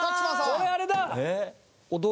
これあれだ！